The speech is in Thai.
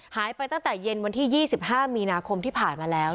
หายไปตั้งแต่เย็นวันที่๒๕มีนาคมที่ผ่านมาแล้ว